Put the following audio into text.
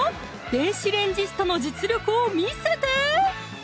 電子レンジストの実力を見せて！